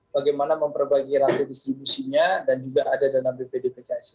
bagaimana memperbagi rakyat distribusinya dan juga ada dana bpdpks